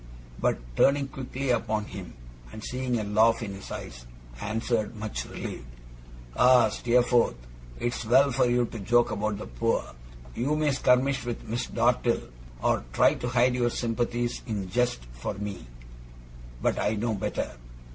But turning quickly upon him, and seeing a laugh in his eyes, I answered, much relieved: 'Ah, Steerforth! It's well for you to joke about the poor! You may skirmish with Miss Dartle, or try to hide your sympathies in jest from me, but I know better.